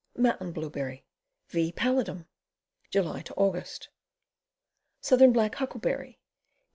Mountain Blueberry. V. pallidum,. Jidy Aug. Southern Black Huckleberry.